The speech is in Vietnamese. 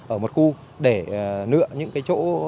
ở một khu để nựa những cái chỗ